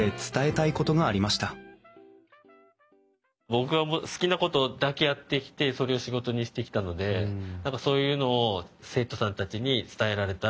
僕が好きなことだけやってきてそれを仕事にしてきたので何かそういうのを生徒さんたちに伝えられたらいいなあと思いながら。